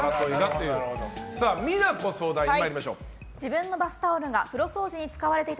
美奈子相談員、参りましょう。